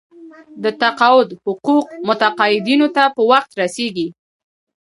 د تقاعد حقوق متقاعدینو ته په وخت رسیږي.